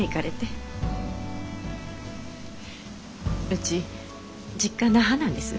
うち実家那覇なんです。